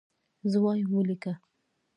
زه وایم ولیکه.